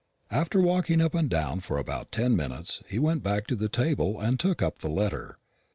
After walking up and down for about ten minutes he went back to the table and took up the letter.